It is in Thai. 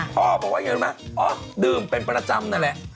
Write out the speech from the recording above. พ่อบอกว่าอย่างไรนะดื่มเป็นประจำนั่นแหละ